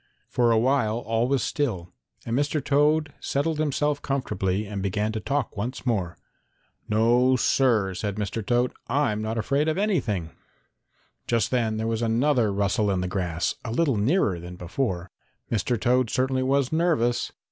For a while all was still and Mr. Toad settled himself comfortably and began to talk once more. "No, Sir," said Mr. Toad, "I'm not afraid of anything." Just then there was another rustle in the grass, a little nearer than before. Mr. Toad certainly was nervous.